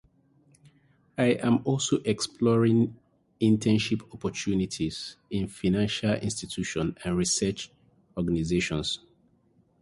I am also exploring internship opportunities in financial institutions and research organizations.